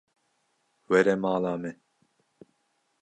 Were mala me.